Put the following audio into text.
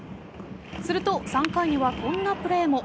すると３回にはこんなプレーも。